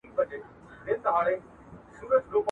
د جرګي په تالار کي به د هیواد د سوکالۍ هیلې غوړېدلې.